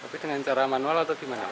tapi dengan cara manual atau gimana